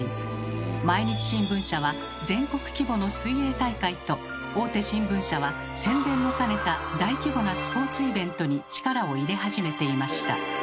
毎日新聞社は全国規模の水泳大会と大手新聞社は宣伝も兼ねた大規模なスポーツイベントに力を入れ始めていました。